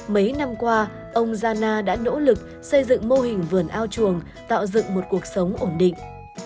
mấy năm qua ông zhana đã nỗ lực xây dựng mô hình vườn ao chuồng tạo dựng một cuộc sống ổn định